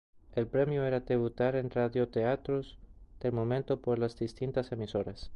El premio era debutar en radioteatros del momento, por distintas emisoras.